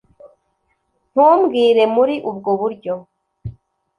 ntumbwire muri ubwo buryo